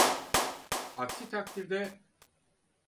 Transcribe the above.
Aksi takdirde…